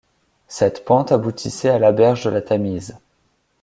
Cette pente aboutissait à la berge de la Tamise.